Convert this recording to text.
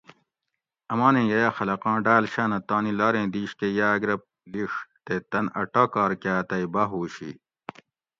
امانیں ییہ خلقاں ڈاۤل شاۤنہ تانی لاریں دِیش کہ یاۤگ رہ لِیڛ تے تن ا ٹاکار کاۤ تئی باۤہوش ہی